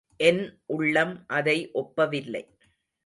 என் உள்ளம் அதை ஒப்பவில்லை.